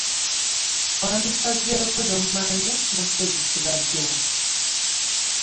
Wandisazeeko z'ommanja n'ompa ezisigaddewo.